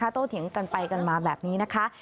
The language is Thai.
โตเถียงกันไปกันมาแบบนี้นะคะ